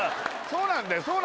そうなんだよ